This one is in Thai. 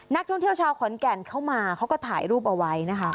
นักท่องเที่ยวชาวขอนแก่นเข้ามาเขาก็ถ่ายรูปเอาไว้นะคะ